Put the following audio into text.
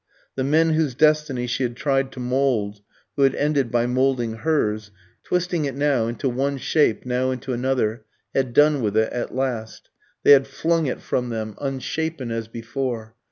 The men whose destiny she had tried to mould, who had ended by moulding hers, twisting it now into one shape, now into another, had done with it at last; they had flung it from them unshapen as before.